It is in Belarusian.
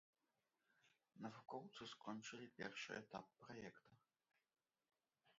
Навукоўцы скончылі першы этап праекта.